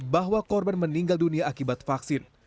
bahwa korban meninggal dunia akibat vaksin